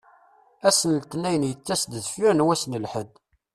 Ass n letnayen yettas-d deffir n wass n lḥedd.